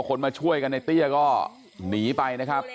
คนมาช่วยกันในเตี้ยก็หนีไปนะครับ